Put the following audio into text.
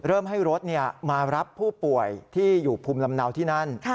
ให้รถมารับผู้ป่วยที่อยู่ภูมิลำเนาที่นั่น